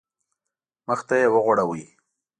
مخ ته یې وغوړاوه.